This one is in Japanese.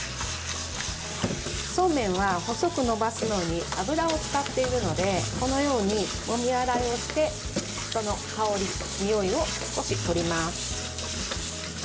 そうめんは細く延ばすのに油を使っているのでこのように、もみ洗いをしてその香り、においを少し取ります。